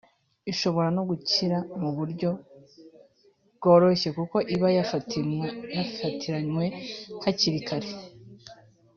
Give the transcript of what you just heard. ishobora no gukira mu buryo bworoshye kuko iba yafatiranywe hakiri kare